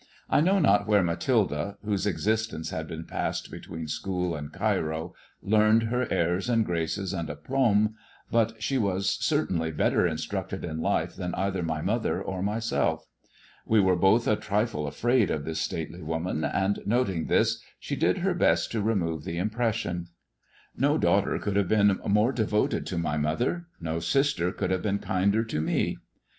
I know not where Mathilda, whose existence had been passed between school and Cairo, learned her airs and graces and apUmbj but she was certainly better instructed in life than either my mother or myself. We werQ both a trifle afraid of this stately woman, and noting this^ she did her best to remove the impression. Ko daughter could have been more devoted to my mother ; no sister could have been kinder to me.